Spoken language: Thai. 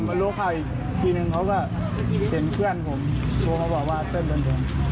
เดี๋ยวผมมารู้เขาอีกทีนึงเขาก็เห็นเพื่อนผม